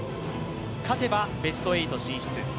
勝てばベスト８進出。